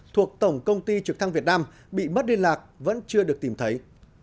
thuộc tổng công ty trực thăng việt nam bị mất liên lạc vẫn chưa được tìm thấy